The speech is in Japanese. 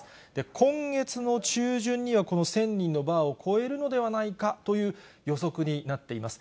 今月の中旬には、この１０００人のバーを超えるのではないかという予測になっています。